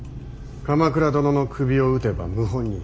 鎌倉殿の首を討てば謀反人。